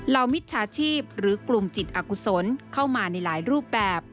มิจฉาชีพหรือกลุ่มจิตอากุศลเข้ามาในหลายรูปแบบ